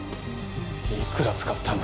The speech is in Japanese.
いくら使ったんだ？